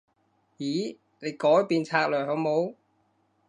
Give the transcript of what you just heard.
咦？你改變策略好冇？